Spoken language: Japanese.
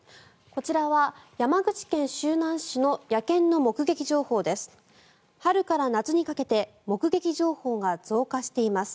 こちらは山口県周南市の野犬の目撃情報です。